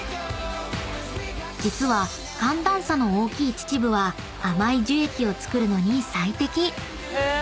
［実は寒暖差の大きい秩父は甘い樹液を作るのに最適］